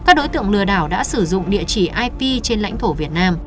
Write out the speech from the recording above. các đối tượng lừa đảo đã sử dụng địa chỉ ip trên lãnh thổ việt nam